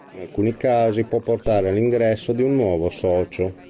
In alcuni casi può portare all'ingresso di un nuovo socio.